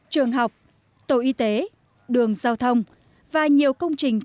trường học tổ y tế đường giao thông và nhiều công trình công nghiệp